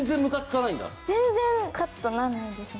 全然カッとなんないですね。